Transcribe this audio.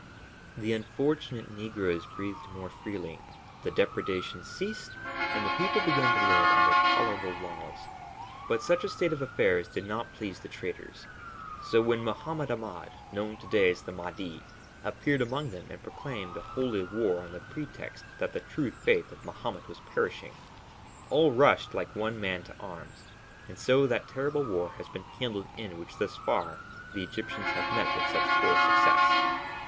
The unfortunate negroes breathed more freely; the depredations ceased and the people began to live under tolerable laws. But such a state of affairs did not please the traders, so when Mohammed Ahmed, known to day as 'the Mahdi,' appeared among them and proclaimed a holy war on the pretext that the true faith of Mahomet was perishing, all rushed like one man to arms; and so that terrible war has been kindled in which thus far the Egyptians have met with such poor success.